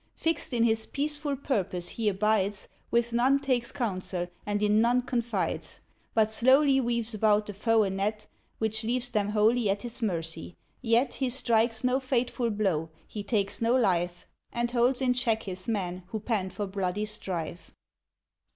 Fixed in his peaceful purpose he abides With none takes counsel and in none confides; But slowly weaves about the foe a net Which leaves them wholly at his mercy, yet He strikes no fateful blow; he takes no life, And holds in check his men, who pant for bloody strife.